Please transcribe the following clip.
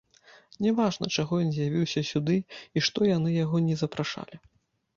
Няважна, чаго ён з'явіўся сюды і што яны яго не запрашалі.